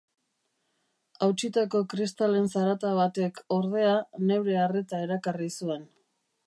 Hautsitako kristalen zarata batek, ordea, neure arreta erakarri zuen.